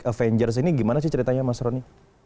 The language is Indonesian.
avengers ini gimana sih ceritanya mas roni